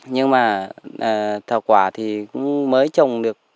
nhưng mà thảo quả thì mới trồng được